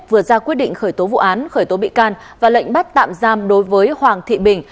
vừa ra quyết định khởi tố vụ án khởi tố bị can và lệnh bắt tạm giam đối với hoàng thị bình